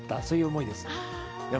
そういう思いです。